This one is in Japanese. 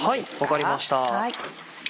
分かりました。